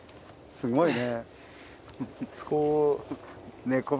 すごいね。